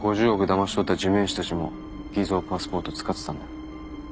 だまし取った地面師たちも偽造パスポートを使ってたんだよ。